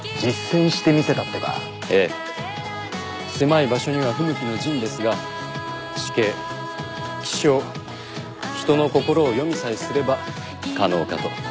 狭い場所には不向きの陣ですが地形気象人の心を読みさえすれば可能かと。